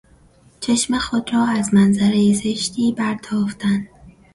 چشم خود را از منظره زشتی برتافتن